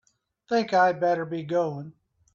Think I'd better be going.